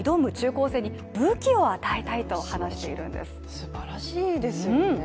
すばらしいですよね。